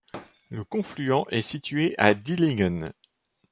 Le confluent est situé à Dillingen.